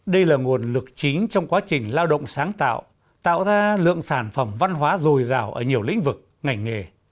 đây là nguồn lực chính trong quá trình lao động sáng tạo tạo ra lượng sản phẩm văn hóa dồi dào ở nhiều lĩnh vực ngành nghề